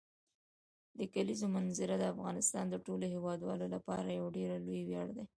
د کلیزو منظره د افغانستان د ټولو هیوادوالو لپاره یو ډېر لوی ویاړ دی.